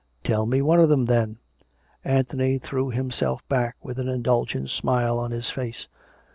" Tell me one of them, then." Anthony threw himself back with an indulgent smile on his face.